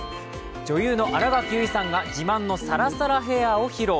女優の新垣結衣さんが自慢のサラサラヘアを披露。